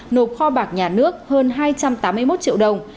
nộp kho bạc nhà nước hơn hai trăm tám mươi một triệu đồng